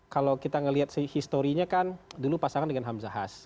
kalau kita ngelihat sehistorinya kan dulu pasangan dengan hamzahas